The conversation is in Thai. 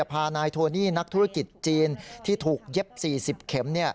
พานายโทนี่นักธุรกิจจีนที่ถูกเย็บ๔๐เข็ม